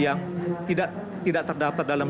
yang tidak terdaftar dalam